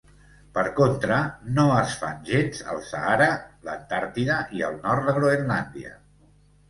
Per contra, no es fan gens al Sàhara, l'Antàrtida i el nord de Groenlàndia.